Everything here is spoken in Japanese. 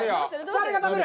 誰が食べる！？